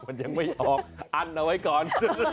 มันยังไม่ออกอั้นเอาไว้ก่อน